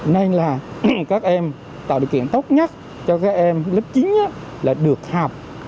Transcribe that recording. nên là các em tạo điều kiện tốt nhất cho các em lớp chín là được học